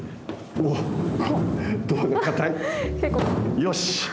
よし！